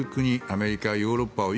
アメリカ、ヨーロッパを